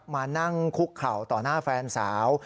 มานั่งคุกเข่าต่อหน้าแฟนสาว